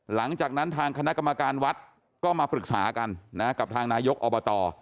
หลังจากนั้นทางคณะกรรมการวัดก็มาปรึกษากันนะกับทางนายกอบต